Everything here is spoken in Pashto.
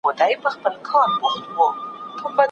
زه به خپل موبایل د ډوډۍ خوړلو پر مهال بند کړم.